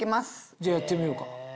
じゃやってみようか。